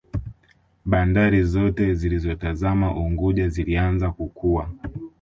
Bandari Zote zilizotazama Unguja zilianza kukua